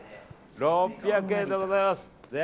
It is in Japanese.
６００円でございます。